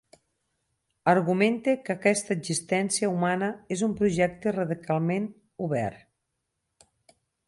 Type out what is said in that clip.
Argumente que aquesta existència humana és un projecte radicalment obert.